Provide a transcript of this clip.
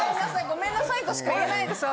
ごめんなさいとしか言えないです。